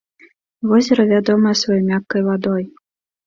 Возера вядомае сваёй мяккай вадой.